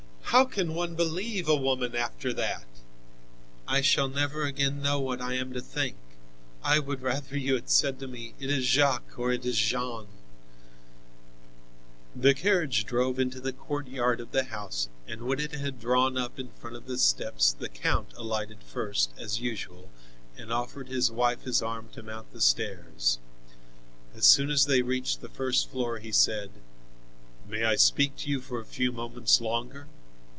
How can one believe a woman after that? I shall never again know what I am to think. I would rather you had said to me, 'It is Jacques or it is Jeanne.'" The carriage drove into the courtyard of the house and when it had drawn up in front of the steps the count alighted first, as usual, and offered his wife his arm to mount the stairs. As soon as they reached the first floor he said: "May I speak to you for a few moments longer?"